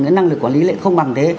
năng lực quản lý lại không bằng thế